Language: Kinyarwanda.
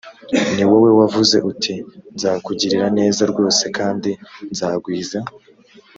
ni wowe wavuze uti nzakugirira neza rwose kandi nzagwiza